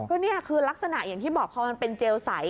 ก็นี่คือลักษณะอย่างที่บอกพอมันเป็นเจลใส